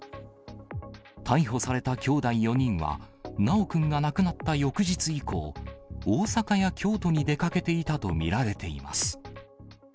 逮捕されたきょうだい４人は、修くんが亡くなった翌日以降、大阪や京都に出かけていたと見られています。